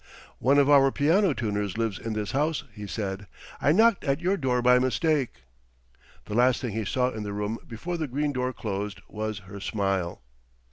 "One of our piano tuners lives in this house," he said. "I knocked at your door by mistake." The last thing he saw in the room before the green door closed was her smile.